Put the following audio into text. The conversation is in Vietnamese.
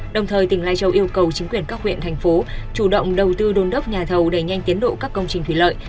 đồng thời tỉnh lai châu yêu cầu chính quyền các huyện thành phố chủ động đầu tư đôn đốc nhà thầu đẩy nhanh tiến độ các công trình thủy lợi